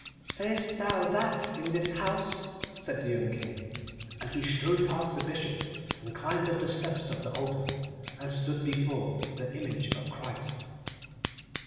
'Sayest thou that in this house?' said the young King, and he strode past the Bishop, and climbed up the steps of the altar, and stood before the image of Christ.